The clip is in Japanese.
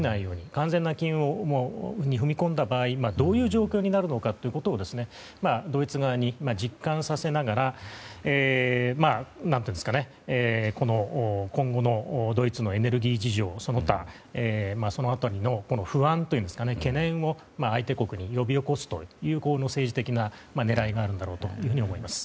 完全な禁輸に踏み込んだ場合どういう状況になるのかをドイツ側に実感させながら今後のドイツのエネルギー事情その他その辺りの不安懸念を相手国に呼び起こすという政治的な狙いがあるんだろうと思います。